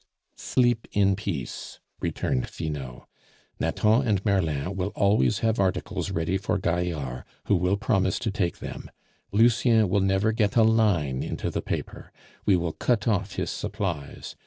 "Sleep in peace," returned Finot. "Nathan and Merlin will always have articles ready for Gaillard, who will promise to take them; Lucien will never get a line into the paper. We will cut off his supplies.